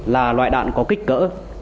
là loại đạn có kích cỡ